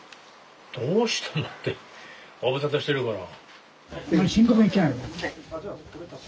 どうしたのってご無沙汰してるから。